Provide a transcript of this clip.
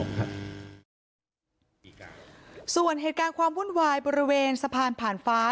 ส่วนเหตุการณ์ความวุ่นวายบริเวณสะพานผ่านฟ้า